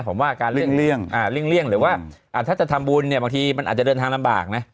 ผมว่าการเลี่ยงหรือว่าถ้าจะทำบุญเนี่ยบางทีมันอาจจะเดินทางลำบากนะ